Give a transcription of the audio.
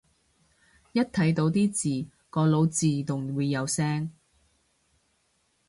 一睇到啲字個腦自動會有聲